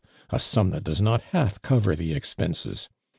a sum that does not half cover the expenses!